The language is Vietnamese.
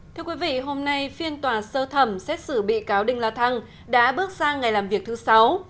thưa quý vị hôm nay phiên tòa sơ thẩm xét xử bị cáo đinh la thăng đã bước sang ngày làm việc thứ sáu